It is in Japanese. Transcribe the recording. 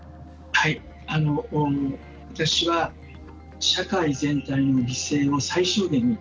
私は、社会全体の犠牲を最小限に。